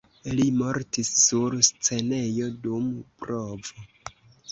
Li mortis sur scenejo dum provo.